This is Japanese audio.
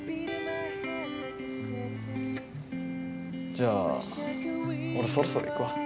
じゃあ俺そろそろ行くわ！